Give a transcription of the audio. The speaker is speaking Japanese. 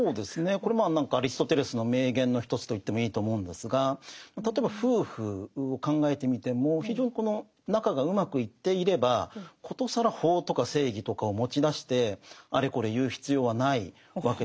これもアリストテレスの名言の一つと言ってもいいと思うんですが例えば夫婦を考えてみても非常にこの仲がうまくいっていれば殊更法とか正義とかを持ち出してあれこれ言う必要はないわけですよね。